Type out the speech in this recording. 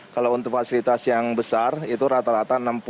kalau untuk fasilitas yang besar itu rata rata enam puluh